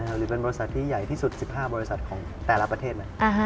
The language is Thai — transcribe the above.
หรือเป็นบริษัทที่ใหญ่ที่สุด๑๕บริษัทของแต่ละประเทศไหม